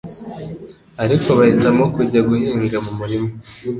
ariko bahitamo kujya guhinga mu murima